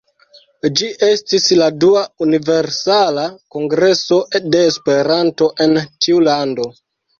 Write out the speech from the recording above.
Ĝi estis la dua Universala Kongreso de Esperanto en tiu lando.